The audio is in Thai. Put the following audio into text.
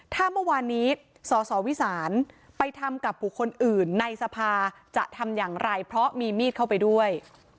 ถ้าเมื่อวานนี้สสวิสานไปทำกับบุคคลอื่นในสภาจะทำอย่างไรเพราะมีมีดเข้าไปด้วย